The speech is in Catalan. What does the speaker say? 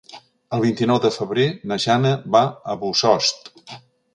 El vint-i-nou de febrer na Jana va a Bossòst.